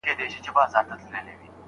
ماهر له ډېر وخته ساعت ته کتلي دي.